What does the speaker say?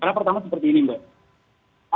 karena pertama seperti ini mbak